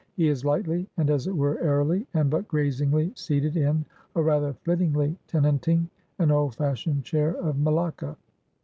He is lightly, and, as it were, airily and but grazingly seated in, or rather flittingly tenanting an old fashioned chair of Malacca.